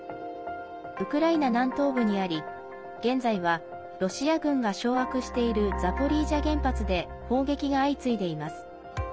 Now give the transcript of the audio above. ウクライナ南東部にあり現在はロシア軍が掌握しているザポリージャ原発で砲撃が相次いでいます。